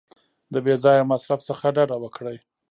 د بې ځایه مصرف څخه ډډه وکړئ.